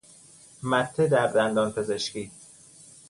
مته در دندان پزشکی